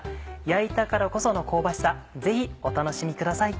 焼いたからこその香ばしさぜひお楽しみください。